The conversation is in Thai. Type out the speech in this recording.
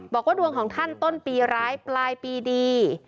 บอกว่าดวงของท่านต้นปีร้ายปลายปีดี